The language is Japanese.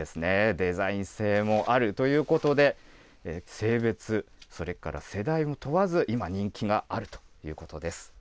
デザイン性もあるということで、性別、それから世代を問わず、今、人気があるということです。